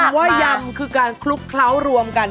ว่ายำคือการคลุกเคล้ารวมกัน